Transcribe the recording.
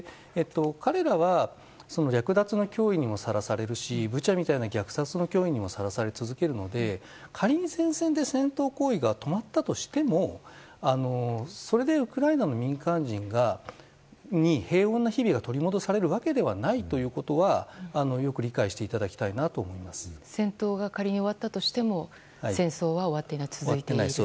彼らは略奪の脅威にさらされるしブチャみたいな虐殺の脅威にもさらされ続けるのでかりに戦線で戦闘行為が止まったとしてもそれでウクライナの民間人に平穏な日々が取り戻されるわけではないということはよく理解していただきたいなと戦闘が終わったとしても戦争は終わっていない続いていると。